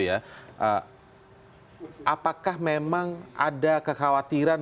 apakah memang ada kekhawatiran